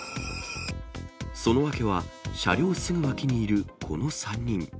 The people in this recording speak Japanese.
その訳は、車両すぐ脇にいるこの３人。